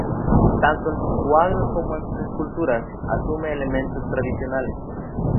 Tanto en sus cuadros como en sus esculturas, asume elementos tradicionales.